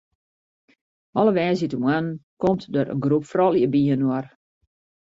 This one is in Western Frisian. Alle woansdeitemoarnen komt dêr in groep froulju byinoar.